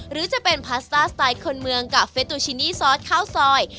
หรือจะเป็นพาสต้าสไตล์คนเมืองกับเฟสตูชินีซอสข้าวซอย